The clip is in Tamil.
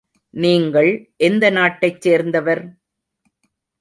நீங்கள் எந்த நாட்டைச் சேர்ந்தவர்?